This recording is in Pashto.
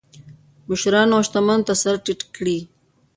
مشرانو او شتمنو ته سر ټیټ کړي.